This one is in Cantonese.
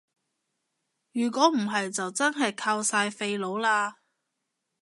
如果唔係就真係靠晒廢老喇